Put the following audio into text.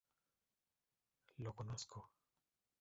Lo conozco.